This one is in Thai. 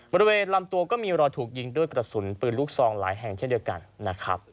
บริเวณลำตัวก็มีรอยถูกยิงด้วยกระสุนปืนลูกซองหลายแห่งเช่นเดียวกันนะครับ